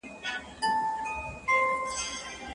څوک چي پخپله څېړونکی نه وي ښه لارښود نه سي کېدای.